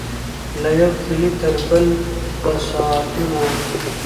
له یوه کلي تر بل به ساعتونه